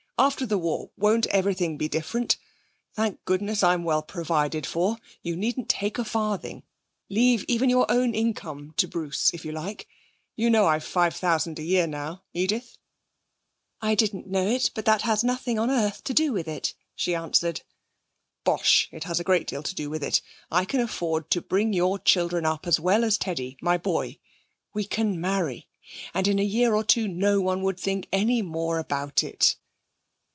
After the war, won't everything be different? Thank goodness, I'm well provided for. You needn't take a farthing. Leave even your own income to Bruce if you like. You know I've five thousand a year now, Edith?' 'I didn't know it. But that has nothing on earth to do with it,' she answered. 'Bosh! It has a great deal to do with it. I can afford to bring your children up as well as Teddy, my boy. We can marry. And in a year or two no one would think any more about it.'